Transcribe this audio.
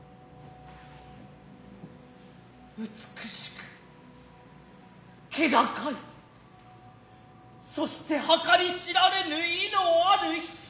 美しく気高いそして計り知られぬ威のある姫君。